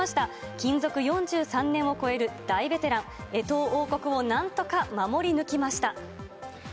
勤続４３年を超える大ベテラン、衛藤王国をなんとか守り抜きました。